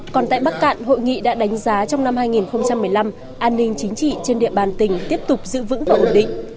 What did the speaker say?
còn tại bắc cạn hội nghị đã đánh giá trong năm hai nghìn một mươi năm an ninh chính trị trên địa bàn tỉnh tiếp tục giữ vững và ổn định